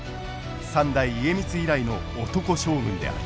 三代家光以来の男将軍である。